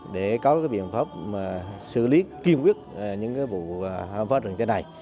để có biện pháp xử lý kiên quyết những vụ hạ rừng